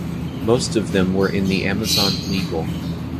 Most of them were in the Amazon Legal.